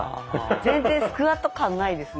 全然スクワット感ないですね。